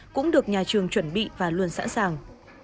cũng được nhà trường chuẩn bị và luôn sẵn sàng